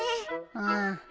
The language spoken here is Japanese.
うん。